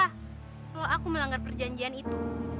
kalau aku melanggar perjanjian itu